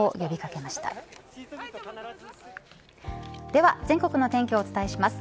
では全国の天気をお伝えします。